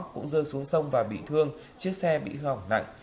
cũng rơi xuống sông và bị thương chiếc xe bị hư hỏng nặng